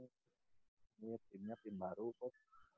ini timnya tim baru kok